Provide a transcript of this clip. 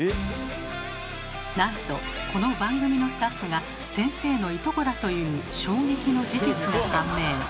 なんとこの番組のスタッフが先生のいとこだという衝撃の事実が判明。